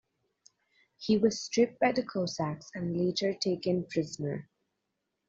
He was stripped by the Cossacks and later taken prisoner.